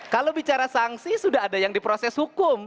kalau bicara sanksi sudah ada yang diproses hukum